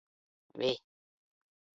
Vi?